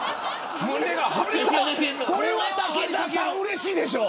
これは武田さんうれしいでしょう。